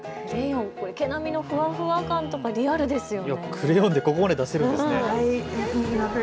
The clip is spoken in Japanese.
毛並みのふわふわ感とかリアルですよね。